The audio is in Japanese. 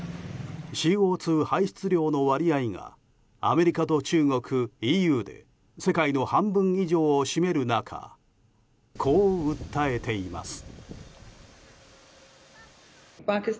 ＣＯ２排出量の割合がアメリカと中国、ＥＵで世界の半分以上を占める中こう訴えています。